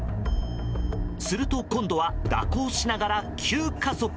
すると、今度は蛇行しながら急加速。